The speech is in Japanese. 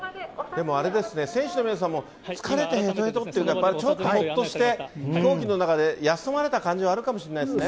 でもあれですね、選手の皆さんも、疲れてへとへとって感じじゃなくてちょっとほっとして、飛行機の中で休まれた感じはあるかもしれないですね。